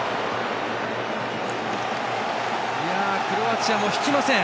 クロアチアも引きません。